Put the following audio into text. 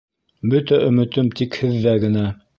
— Бөтә өмөтөм тик һеҙҙә генә.